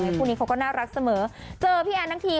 กดอย่างวัยจริงเห็นพี่แอนทองผสมเจ้าหญิงแห่งโมงการบันเทิงไทยวัยที่สุดค่ะ